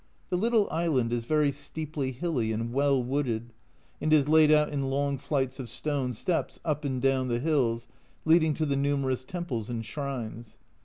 The little island is very steeply hilly and well wooded, and is laid out in long flights of stone steps up and down the hills, leading to the numerous temples and shrines.